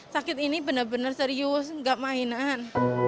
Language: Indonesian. sakit ini bener bener serius gak mainan